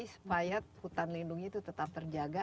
supaya hutan lindungnya itu tetap terjaga